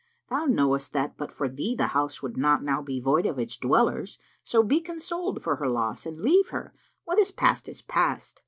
Thou knowest that, but for thee, the house would not now be void of its dwellers: so be consoled for her loss and leave her: what is past is past."